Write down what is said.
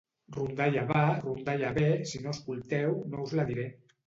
Rondalla va, rondalla ve, si no escolteu, no us la diré.